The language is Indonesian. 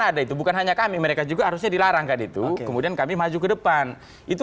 ada itu bukan hanya kami mereka juga harusnya dilarang kan itu kemudian kami maju ke depan itu